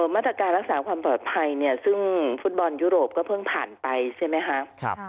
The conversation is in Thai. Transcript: มาตรการรักษาความปลอดภัยเนี่ยซึ่งฟุตบอลยุโรปก็เพิ่งผ่านไปใช่ไหมคะ